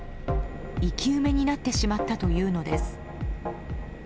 生き埋めになってしまったというのです。